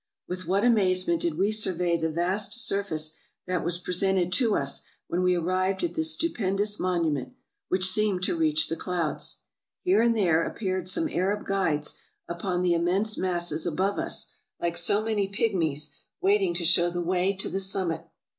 With what amazement did we survey the vast surface that was presented to us when we arrived at this stupendous monument, which seemed to reach the clouds. Here and there appeared some Arab guides upon the im mense masses above us, like so many pigmies, waiting to show the way to the summit.